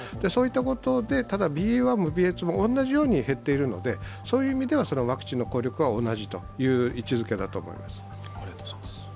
そういったことで、ただＢＡ．１もＢＡ．２も同じように減っているのでそういう意味ではワクチンの効力は同じという位置づけだと思います。